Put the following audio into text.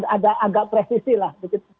ada agak presisi lah